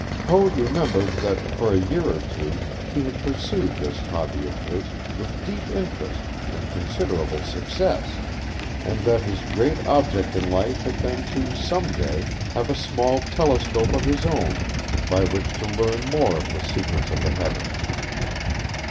Code remembered that, for a year or two, he had pursued this hobby of his with deep interest and considerable success, and that his great object in life had been to some day have a small telescope of his own by which to learn more of the secrets of the heavens.